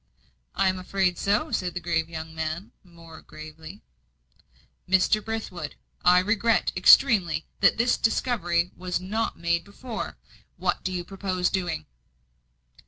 "I am afraid so," said the grave young man, more gravely. "Mr. Brithwood, I regret extremely that this discovery was not made before. What do you purpose doing?"